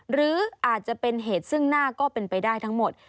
หรืออาจจะเป็นเหตุซึ่งหน้าก็เป็นไปได้ทั้งหมด